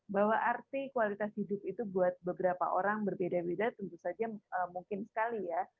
bahwa arti kualitas hidup itu buat beberapa orang berbeda beda tentu saja mungkin sekali ya